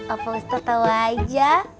opa ustaz tahu aja